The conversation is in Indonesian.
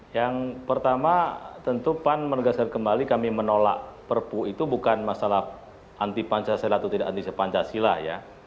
yang pertama tentu pan menegaskan kembali kami menolak perpu itu bukan masalah anti pancasila atau tidak anti pancasila ya